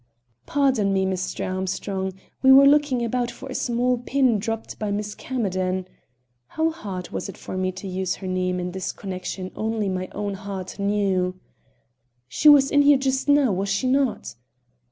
"Pardon me, Mr. Armstrong, we were looking about for a small pin dropped by Miss Camerden." (How hard it was for me to use her name in this connection only my own heart knew.) "She was in here just now, was she not?"